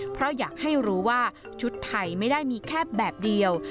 เพราะอยากให้รู้ว่าชุดไทยไม่ได้มีแค่แบบเดียว